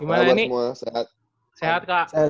apa kabar semua sehat